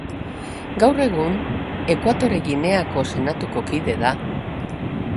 Gaur egun, Ekuatore Gineako Senatuko kide da.